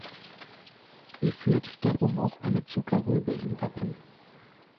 Sie führt darum auch eine Zuckerrübe im Wappen.